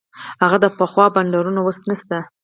هغه د پخوا بانډارونه اوس نسته.